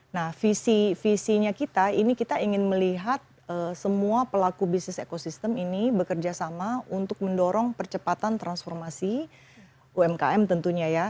nah visinya kita ini kita ingin melihat semua pelaku bisnis ekosistem ini bekerja sama untuk mendorong percepatan transformasi umkm tentunya ya